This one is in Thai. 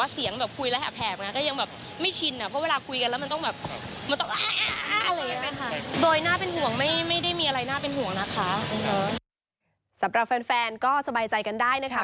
สำหรับแฟนก็สบายใจกันได้นะคะ